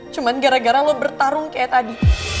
cuma gara gara lo bertarung kayak tadi